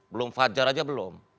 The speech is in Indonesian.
belum fajar aja belum